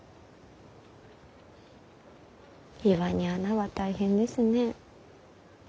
岩に穴は大変ですねえ。